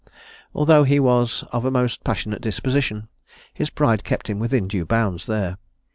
Although he was of a most passionate disposition, his pride kept him within due bounds there.